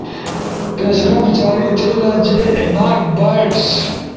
یش رفٹ جاری تھئیلا۔ جے ایناک بائٹس